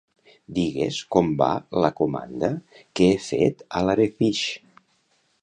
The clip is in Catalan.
Digues com va la comanda que he fet a l'Arepish.